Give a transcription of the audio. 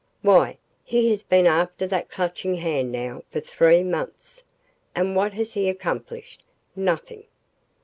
Why, he has been after that Clutching Hand now for three months and what has he accomplished? Nothing!"